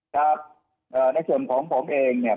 ครับในส่วนของผมเองเนี่ย